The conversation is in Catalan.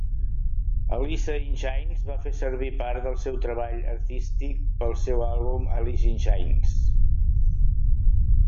Alice in Chains va fer servir part del seu treball artística pel seu àlbum "Alice in Chains".